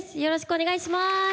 よろしくお願いします。